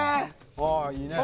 ああいいね。